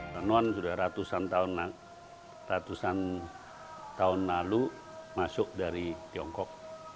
renon sudah ratusan tahun lalu masuk dari tiongkok